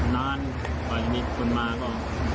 นานไปนิดคุณมาก็